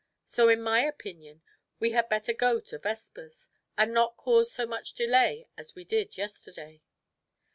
So in my opinion we had better go to vespers, and not cause so much delay as we did yesterday."